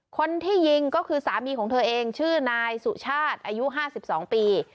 คนที่ยิงก็คือสามีของเธอเองชื่อนายสุชาติอายุ๕๒ปี